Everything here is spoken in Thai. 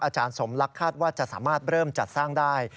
อาจารย์สมลักษณ์ว่าจะสามารถเริ่มจัดสร้างได้